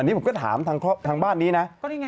นี่ผมก็ถามทางบ้านนี้นะ